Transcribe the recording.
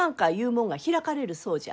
もんが開かれるそうじゃ。